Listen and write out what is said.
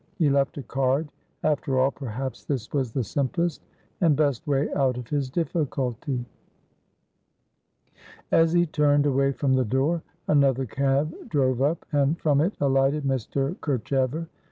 He left a card. After all, perhaps this was the simplest and best way out of his difficulty. As he turned away from the door, another cab drove up, and from it alighted Mr. Kerchever.